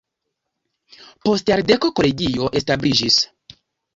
Post jardeko kolegio establiĝis.